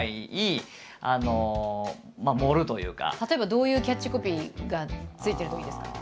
例えばどういうキャッチコピーがついてるといいですかね。